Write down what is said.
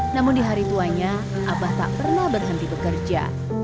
namun di hari tuanya abah tak pernah berhenti bekerja